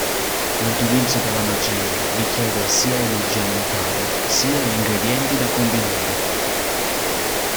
L'utilizzo della magia richiede sia energia mentale, sia gli ingredienti da combinare.